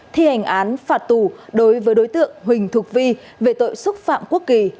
thi hành án phạt tù đối với đối tượng huỳnh thục vi về tội xúc phạm quốc kỳ